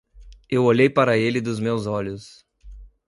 Eu olhei para ele dos meus olhos.